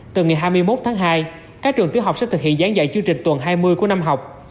từ ngày hai mươi một tháng hai các trường tiểu học sẽ thực hiện gián dạy chương trình tuần hai mươi của năm học